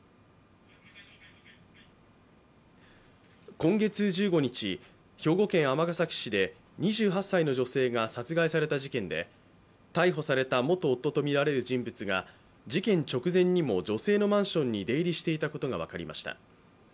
今月１５日、兵庫県尼崎市で２８歳の女性が殺害された事件で逮捕された元夫とみられる人物が事件直前にも女性のマンションに出入りしていたことが分かりました。